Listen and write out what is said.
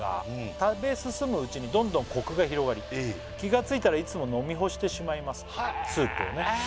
「食べ進むうちにどんどんコクが広がり」「気がついたらいつも飲み干してしまいます」へえスープをね